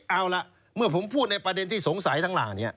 เอาล่ะเมื่อผมพูดในประเด็นที่สงสัยทั้งหลังนี้